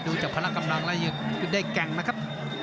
ดูจากพละกำลังแล้วยังได้แก่งนะครับ